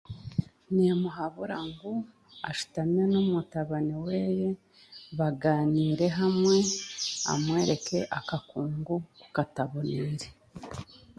Nimuhabura ngu ashutame n'omutabani weeye, bagaaniire hamwe, amwereke akakungu oku kataboniire.